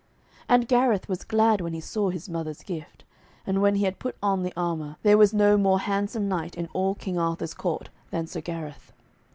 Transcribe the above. And Gareth was glad when he saw his mother's gift; and when he had put on the armour, there was no more handsome knight in all King Arthur's court than Sir Gareth.